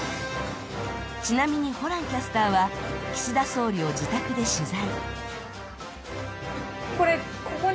ちなみにホランキャスターは、岸田総理を自宅で取材。